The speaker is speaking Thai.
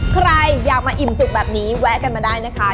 ใครอยากมาอิ่มจุกแบบนี้แวะกันมาได้นะคะ